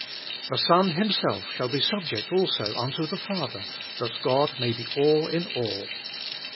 The Son Himself shall be subject also unto the Father, "that God may be all in all."